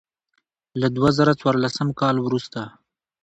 له دوه زره څوارلسم کال وروسته.